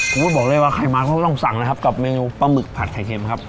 พูดบอกเลยว่าใครมาก็ต้องสั่งนะครับกับเมนูปลาหมึกผัดไข่เค็มครับ